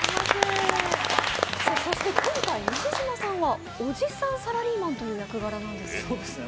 そして今回、西島さんがおじさんサラリーマンという役柄なんですよね。